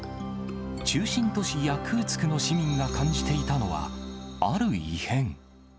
中心都市、ヤクーツクの市民が感じていたのは、ある異変。